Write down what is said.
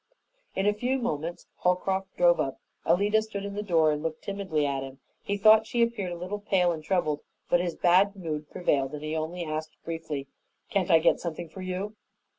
In a few moments Holcroft drove up. Alida stood in the door and looked timidly at him. He thought she appeared a little pale and troubled, but his bad mood prevailed and he only asked briefly, "Can't I get something for you?"